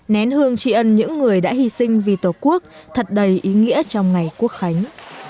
nén hương tri ân những người đã hy sinh vì tổ quốc thật đầy ý nghĩa trong ngày quốc khánh